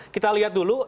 kita lihat dulu